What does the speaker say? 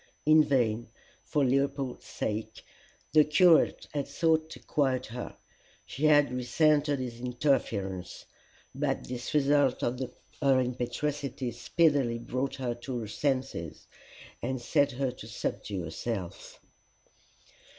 In vain, for Leopold's sake, the curate had sought to quiet her: she had resented his interference; but this result of her impetuosity speedily brought her to her senses, and set her to subdue herself.